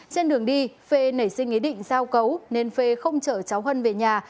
trên đường đi phê nảy sinh ý định giao cấu nên phê không chở cháu hân về nhà